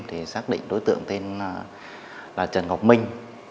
thì xác định đối tượng tên là trần ngọc minh